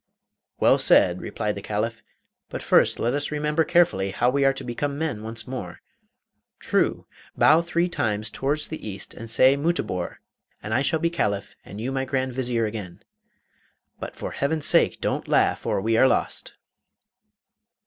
'Well said,' replied the Caliph; 'but first let us remember carefully how we are to become men once more. True! Bow three times towards the east and say "Mutabor!" and I shall be Caliph and you my Grand Vizier again. But for Heaven's sake don't laugh or we are lost!